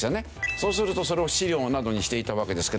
そうするとそれを飼料などにしていたわけですけど。